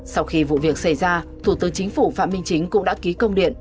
sau khi vụ việc xảy ra thủ tướng chính phủ phạm minh chính cũng đã ký công điện